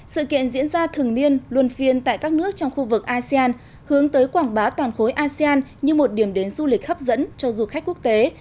sự kiện diễn ra thường niên luân phiên tại các nước trong khu vực asean hướng tới quảng bá toàn khối asean như một điểm đến du lịch hấp dẫn cho du khách quốc tế